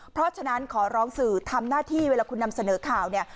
เพราะฉะนั้นขอร้องสื่อทำหน้าที่เวลาคุณนำเสนอข่าวเนี่ย